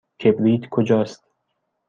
کبریت کجاست؟